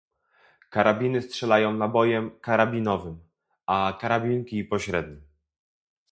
Karabiny strzelają nabojem karabinowym, a karabinki pośrednim.